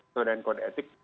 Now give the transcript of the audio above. sesuai dengan kode etik